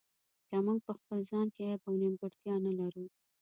که موږ په خپل ځان کې عیب او نیمګړتیا نه لرو.